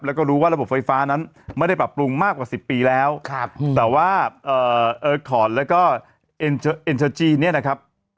แล้วก็รู้ว่าระบบไฟฟ้านั้นไม่ได้ปรับปรุงมากกว่า๑๐ปีแล้วแต่ว่าเออร์คอร์ดแล้วก็เอ็นเตอร์จีนเนี่ยนะครับ